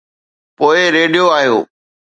پوءِ ريڊيو آيو.